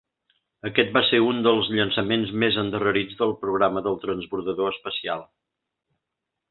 Aquest va ser un dels llançaments més endarrerits del programa del transbordador espacial.